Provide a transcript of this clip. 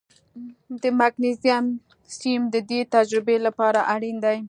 د مګنیزیم سیم د دې تجربې لپاره اړین دی.